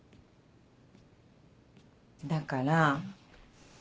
だから。